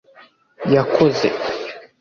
Yakoze